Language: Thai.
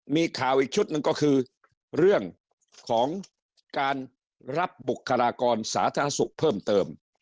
มีข่าวอีกชุดหนึ่งก็คือเรื่องของการรับบุคลากรสาธารณสุขเพิ่มเติม